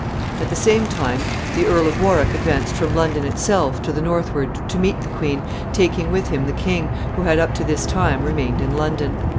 ] At the same time, the Earl of Warwick advanced from London itself to the northward to meet the queen, taking with him the king, who had up to this time remained in London.